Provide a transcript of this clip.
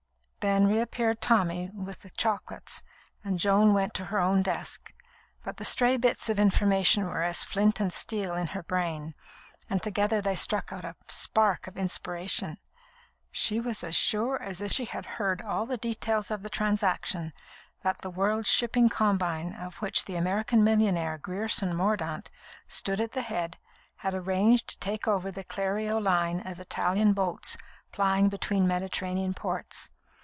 Then reappeared Tommy with the chocolates, and Joan went to her own desk; but the stray bits of information were as flint and steel in her brain, and together they struck out a spark of inspiration. She was as sure as if she had heard all details of the transaction that the World's Shipping Combine, of which the American millionaire, Grierson Mordaunt, stood at the head, had arranged to take over the Clerio line of Italian boats plying between Mediterranean ports.